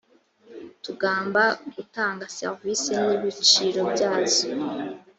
tugamba gutanga serivisi n’ ibiciro byazo.